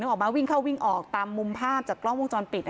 ออกมาวิ่งเข้าวิ่งออกตามมุมภาพจากกล้องวงจรปิด